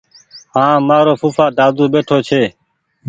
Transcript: هآنٚ مآرو ڦوڦآ دادو ٻيٺو ڇي